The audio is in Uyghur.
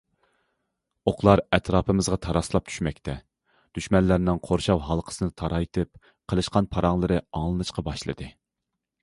ئوقلار ئەتراپىمىزغا تاراسلاپ چۈشمەكتە، دۈشمەنلەرنىڭ قورشاۋ ھالقىسىنى تارايتىپ، قىلىشقان پاراڭلىرى ئاڭلىنىشقا باشلىدى.